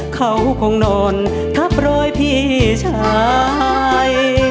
เขาคงนอนทับรอยพี่ชาย